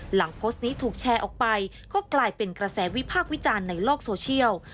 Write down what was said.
หลังโพสต์นี้ถูกแชร์ออกไปก็กลายเป็นกระแสวิพากษ์วิจารณ์ในโลกโซเชียล